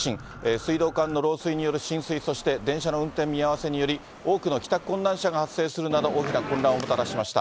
水道管の漏水による浸水、そして電車の運転見合わせにより、多くの帰宅困難者が発生するなど、大きな混乱をもたらしました。